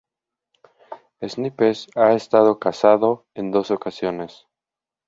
Snipes ha estado casado en dos ocasiones.